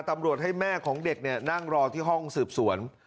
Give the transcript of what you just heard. ตำรวจให้แม่ของเด็กนั่งรอที่ห้องสืบสวน